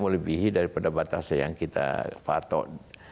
lebih daripada batas yang kita patok